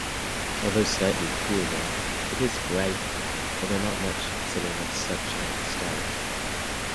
Although slightly cooler, it is brighter, although not much considering its subgiant status.